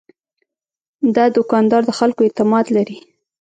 دا دوکاندار د خلکو اعتماد لري.